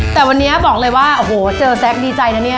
แต่วันนี้บอกเลยว่าโอ้โหเจอแจ๊คดีใจนะเนี่ย